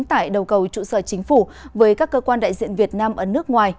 tại đầu cầu trụ sở chính phủ với các cơ quan đại diện việt nam ở nước ngoài